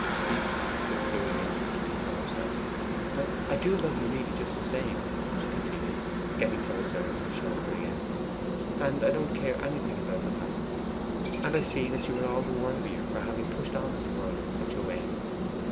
(Stephen withdrew an inch or two from her side.) 'But I DO LOVE YOU just the same,' she continued, getting closer under his shoulder again, 'and I don't care anything about the past; and I see that you are all the worthier for having pushed on in the world in such a way.